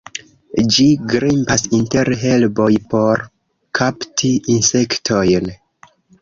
Ĝi grimpas inter herboj por kapti insektojn.